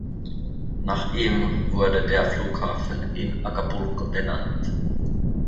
Nach ihm wurde der Flughafen in Acapulco benannt.